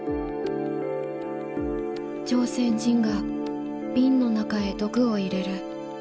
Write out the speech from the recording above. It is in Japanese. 「朝鮮人がビンの中へ毒を入れる。